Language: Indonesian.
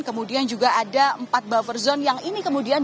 kemudian juga ada empat buffer zone yang ini kemudian